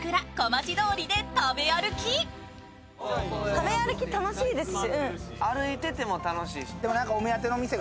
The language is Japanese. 食べ歩き楽しいですし。